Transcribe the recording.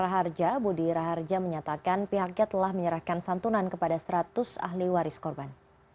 raharja budi raharja menyatakan pihaknya telah menyerahkan santunan kepada seratus ahli waris korban